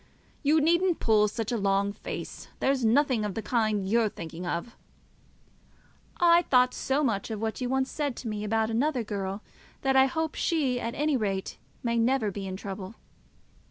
You needn't pull such a long face. There's nothing of the kind you're thinking of." "I thought so much of what you once said to me about another girl that I hope she at any rate may never be in trouble."